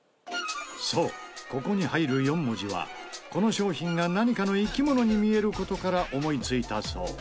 そうここに入る４文字はこの商品が何かの生き物に見える事から思いついたそう。